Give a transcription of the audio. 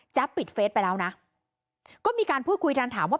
ปิดเฟสไปแล้วนะก็มีการพูดคุยทันถามว่า